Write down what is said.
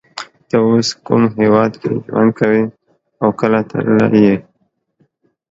ته اوس کوم هیواد کی ژوند کوی او کله تللی یی